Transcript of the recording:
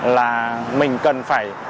là mình cần phải